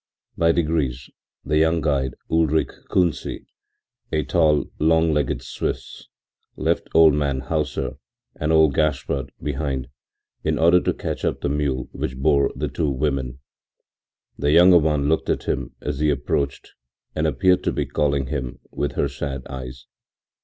By degrees the young guide, Ulrich Kunsi, a tall, long legged Swiss, left old man Hauser and old Gaspard behind, in order to catch up the mule which bore the two women. The younger one looked at him as he approached and appeared to be calling him with her sad eyes.